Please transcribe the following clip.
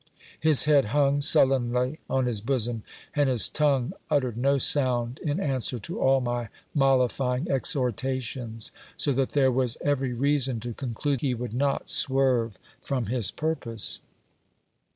His head hung sullenly on his bosom, and his tongue uttered no sound, in answer to all my mollifying exhortations, so that there was every reason to conclude he would not swerve from his purpose.